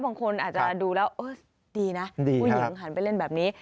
บางคนอาจจะดูแล้วดีนะผู้หญิงหันไปเล่นแบบนี้